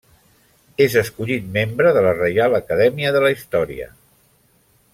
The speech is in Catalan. És escollit membre de la Reial Acadèmia de la Història.